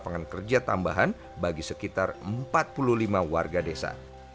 lapangan kerja tambahan bagi sekitar empat puluh lima warga desa